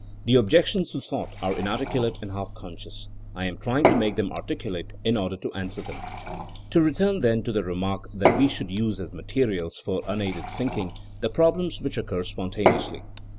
The objections to thought are inarticulate and half conscious. I am try ing to mate them articulate in order to answer them. To return, then, to the remark that we should use as materials for unaided thinking the prob lems which occur spontaneously.